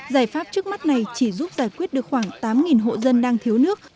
giải pháp trước mắt này chỉ giúp giải quyết được khoảng tám hộ dân đang thiếu nước